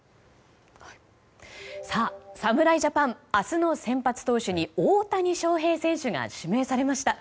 侍ジャパン明日の先発投手に大谷翔平選手が指名されました。